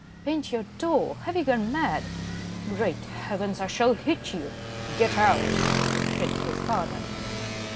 "Paint your toe! Have you gone mad?" "Great heavens! I shall hit you; get out," shrieked his father.